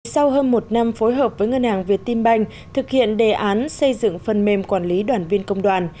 sau hơn một năm phối hợp với ngân hàng việt tinh banh thực hiện đề án xây dựng phần mềm quản lý đoàn viên công đoàn